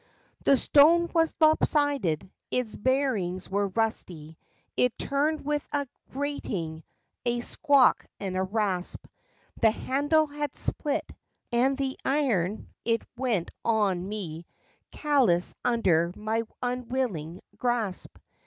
The stone was lop sided; its bearings were rusty; it turned with a grating, a squawk and a rasp; The handle had split, and the iron it went on me callouses under my unwill¬ ing grasp.